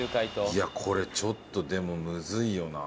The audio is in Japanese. いやこれちょっとでもむずいよな。